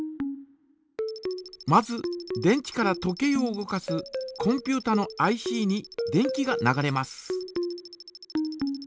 まず電池から時計を動かすコンピュータのＩＣに電気が流れます。